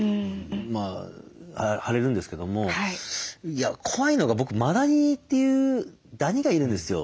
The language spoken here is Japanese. まあ腫れるんですけども怖いのが僕マダニというダニがいるんですよ。